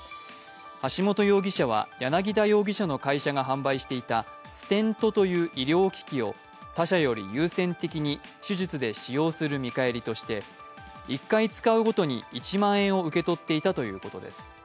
橋本容疑者は柳田容疑者の会社が販売していたてステントという医療機器を他社より優先的に手術で使用する見返りとして１回使うごとに１万円を受け取っていたということです。